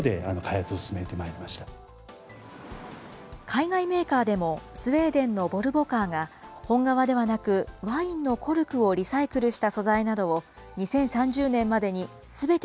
海外メーカーでもスウェーデンのボルボ・カーが、本革ではなくワインのコルクをリサイクルした素材などを２０３０